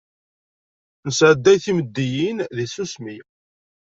Nesɛedday timeddiyin di tsusmi.